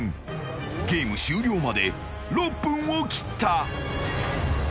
ゲーム終了まで６分を切った。